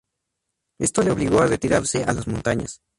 Esto le obligó a retirarse a las montañas.